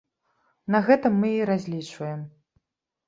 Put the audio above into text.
На гэта мы і разлічваем.